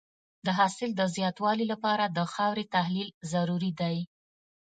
د حاصل د زیاتوالي لپاره د خاورې تحلیل ضروري دی.